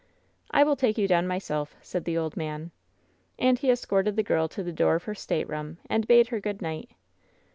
'* "I will take you down myself, said the old man. And he escorted the girl to the door of her stateroom, and bade her good night.